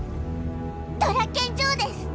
ドラッケン・ジョーです。